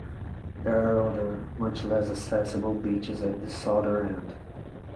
There are other, much less accessible, beaches at the southern end.